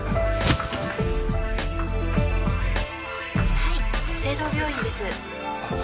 ☎はい誠同病院です